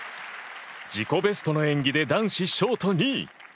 自己ベストの演技で男子ショート２位。